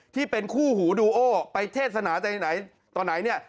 ที่เป็นคู่หูดูโอไปเทศนาแต่ไหนตอนไหนเนี่ย